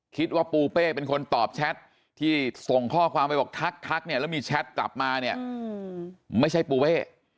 คิดว่าปูเป้เป็นคนตอบแชทที่ส่งข้อความออกทักแล้วมีแชทกลับมาเนี่ยไม่ใช่ปูเป้